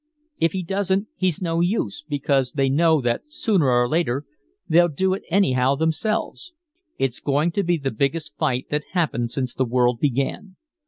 If he doesn't he's no use, because they know that sooner or later they'll do it anyhow themselves. It's going to be the biggest fight that's happened since the world began!